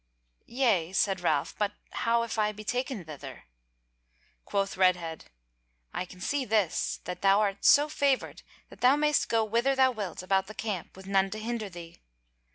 "Yea," said Ralph, "but how if I be taken thither?" Quoth Redhead: "I can see this, that thou art so favoured that thou mayst go whither thou wilt about the camp with none to hinder thee.